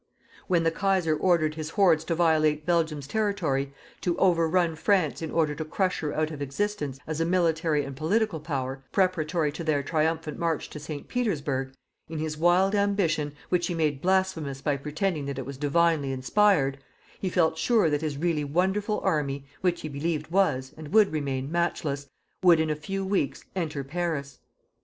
When the Kaiser ordered his hordes to violate Belgium's territory, to overrun France in order to crush her out of existence as a military and political Power, preparatory to their triumphant march to St. Petersburg, in his wild ambition, which he made blasphemous by pretending that it was divinely inspired, he felt sure that his really wonderful army, which he believed was, and would remain, matchless, would in a few weeks enter Paris.